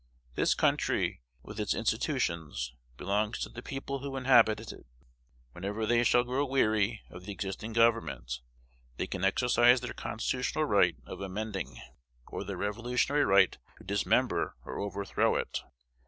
This country, with its institutions, belongs to the people who inhabit it. Whenever they shall grow weary of the existing government, they can exercise their constitutional right of amending, or their revolutionary right to dismember or overthrow it.